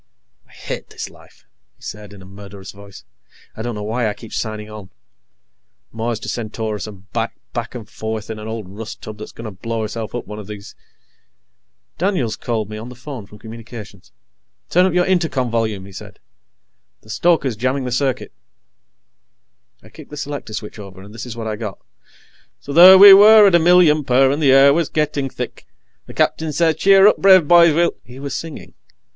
I hate this life," he said in a murderous voice. "I don't know why I keep signing on. Mars to Centaurus and back, back and forth, in an old rust tub that's going to blow herself up one of these "Daniels called me on the phone from Communications. "Turn up your Intercom volume," he said. "The stoker's jamming the circuit." I kicked the selector switch over, and this is what I got: "_ so there we were at a million per, and the air was gettin' thick. The Skipper says 'Cheer up, brave boys, we'll '_" He was singing.